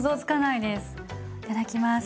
いただきます。